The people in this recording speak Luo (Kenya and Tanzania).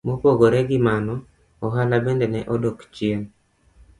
Mopogore gi mano, ohala bende ne odok chien.